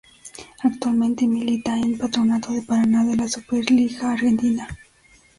Actualmente milita en Patronato de Paraná de la Superliga Argentina.